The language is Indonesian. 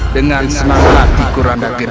dengan semangat di kuranda geng